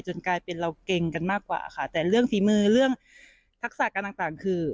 กลายเป็นเราเก่งกันมากกว่าค่ะแต่เรื่องฝีมือเรื่องทักษะการต่างต่างคือ